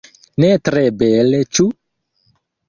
Ne tre bele, ĉu?